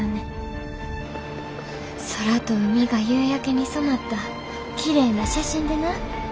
空と海が夕焼けに染まったきれいな写真でな。